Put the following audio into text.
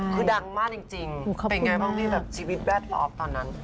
คือดังมากจริงเป็นไงบ้างพี่แบบชีวิตแวดล้อมตอนนั้น